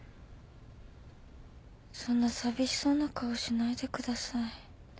そんな寂しそうな顔しないでください。